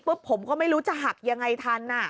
ปุ๊บผมก็ไม่รู้จะหักยังไงทันอ่ะ